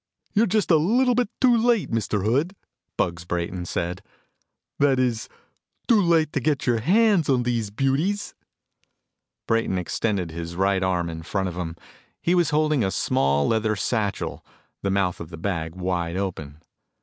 "You're just a little bit too late, Mr. Hood," Bugs Brayton said. "That is, too late to get your hands on these beauties." Brayton extended his right arm in front of him. He was holding a small leather satchel, the mouth of the bag wide open.